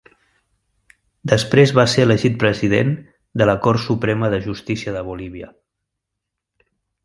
Després va ser elegit president de la Cort Suprema de Justícia de Bolívia.